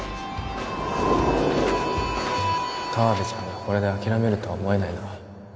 河部ちゃんがこれで諦めるとは思えないな